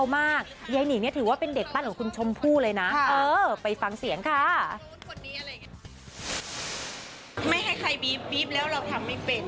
ไม่ให้ใครบี๊บแล้วเราทำไม่เป็น